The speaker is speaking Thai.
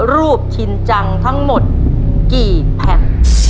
รูปชินจังทั้งหมดกี่แผ่น